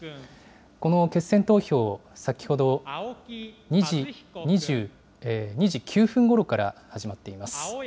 この決選投票、先ほど２時９分ごろから始まっています。